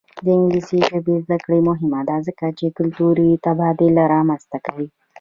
د انګلیسي ژبې زده کړه مهمه ده ځکه چې کلتوري تبادله رامنځته کوي.